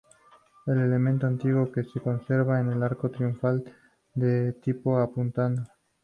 El elemento antiguo que se conserva es el arco triunfal, de tipo apuntado.